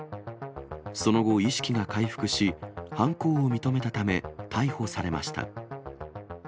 その後、意識が回復し、犯行を認めたため、逮捕されました。